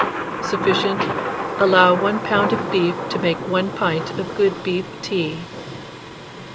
Sufficient. Allow 1 lb. of beef to make 1 pint of good beef tea.